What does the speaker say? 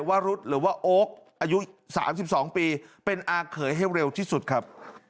วรุษหรือว่าโอ๊คอายุ๓๒ปีเป็นอาเขยให้เร็วที่สุดครับ